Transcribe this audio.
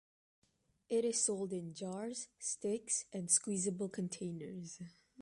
It is sold in jars, sticks, and squeezable containers.